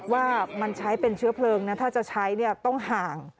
ว่ามันใช้เป็นเชื้อเพลิงนะถ้าจะใช้ต้องห่าง